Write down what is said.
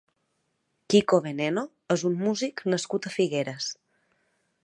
Kiko Veneno és un músic nascut a Figueres.